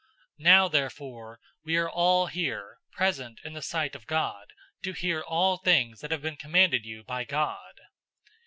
Now therefore we are all here present in the sight of God to hear all things that have been commanded you by God."